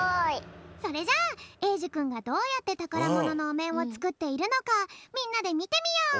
それじゃあえいじゅくんがどうやってたからもののおめんをつくっているのかみんなでみてみよう！